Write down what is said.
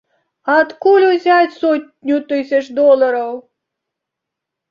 Адкуль узяць сотню тысяч долараў?